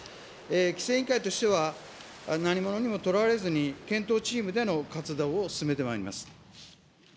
規制委員会としては、何ものにもとらわれずに、検討チームでの活動を進めてまいります。